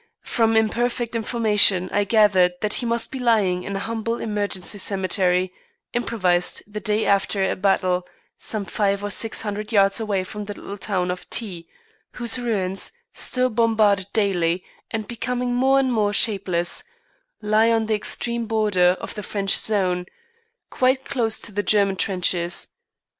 From imperfect information I gathered that he must be lying in a humble emergency cemetery, improvised the day after a battle, some five or six hundred yards away from the little town of T whose ruins, still bombarded daily and becoming more and more shapeless, lie on the extreme border of the French zone, quite close to the German trenches.